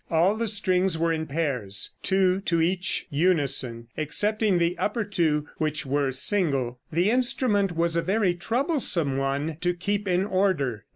All the strings were in pairs, two to each unison, excepting the upper two, which were single. The instrument was a very troublesome one to keep in order.